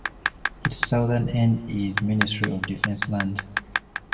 Its southern end is Ministry of Defence land.